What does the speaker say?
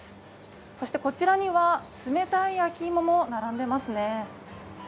そしてこちらには冷たい焼き芋も並んでいますね。